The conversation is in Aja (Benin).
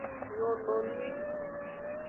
Nyononwi.